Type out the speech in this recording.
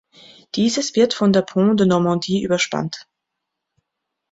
Dieses wird von der Pont de Normandie überspannt.